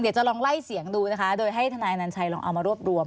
เดี๋ยวจะลองไล่เสียงดูนะคะโดยให้ทนายอนัญชัยลองเอามารวบรวม